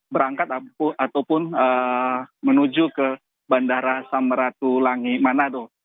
berangkat ataupun menuju ke bandara samratulangi manado